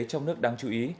trong nước đáng chú ý